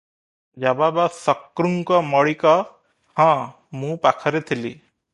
ଜବାବ ଶଙ୍କ୍ରୁ ମଳିକ - ହଁ, ମୁଁ ପାଖରେ ଥିଲି ।